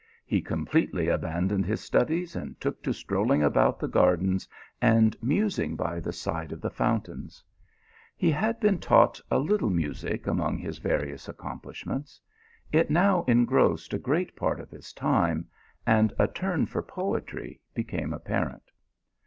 He completely abandoned his studies and took to strolling about the gardens and musing by the side of the fountains. He had been taught a little music among his various accom plishments ; it now engrossed a great ^"* THE P1LOU1M OF LO VE. 191 i ime, and a turn for poetry became apparent.